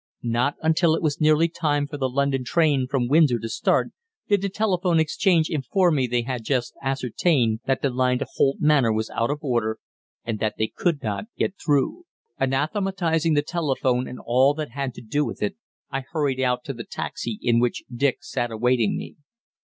Not until it was nearly time for the London train from Windsor to start, did the telephone exchange inform me they had just ascertained that the line to Holt Manor was out of order, and that they could not get through. Anathematizing the telephone and all that had to do with it, I hurried out to the taxi in which Dick sat awaiting me.